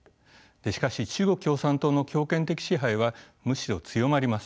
しかし中国共産党の強権的支配はむしろ強まります。